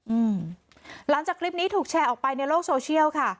อืมหลังจากคลิปนี้ถูกแชร์ออกไปในโลกโซเชียลค่ะ